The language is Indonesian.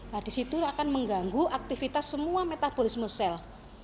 nah di situ akan mengganggu aktivitas semua metabolisme sel